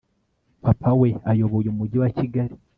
papa we ayoboye umujyi wa Kigali